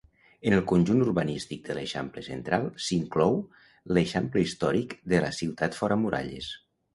En el conjunt urbanístic de l'eixample central s'inclou l'eixample històric de la ciutat fora muralles.